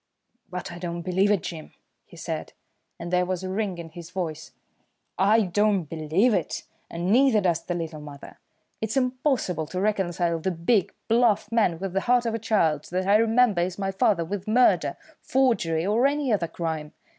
"But I don't believe it, Jim," he said, and there was a ring in his voice. "I don't believe it, and neither does the little mother. It's impossible to reconcile the big, bluff man with the heart of a child, that I remember as my father, with murder, forgery, or any other crime.